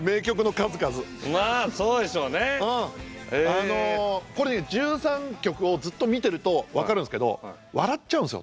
あのこれね１３曲をずっと見てると分かるんですけど笑っちゃうんですよ